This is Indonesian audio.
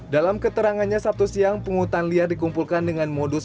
dalam keterangannya sabtu siang penghutan liar dikumpulkan dengan modus